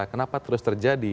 kenapa terus terjadi